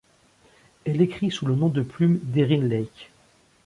Elle écrit sous le nom de plume Deryn Lake.